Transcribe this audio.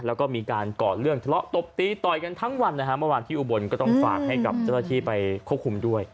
แล้วก็มีการก่อเรื่องทะเลาะตบตีต่อยกันทั้งวันนะฮะเมื่อวานที่อุบลก็ต้องฝากให้กับเจ้าหน้าที่ไปควบคุมด้วย